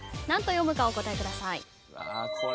何と読むかお答えください。